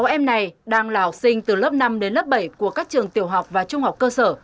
sáu em này đang là học sinh từ lớp năm đến lớp bảy của các trường tiểu học và trung học cơ sở